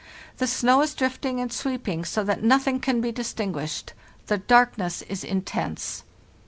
The snow is drifting and sweeping so that noth ing can be distinguished; the darkness is intense.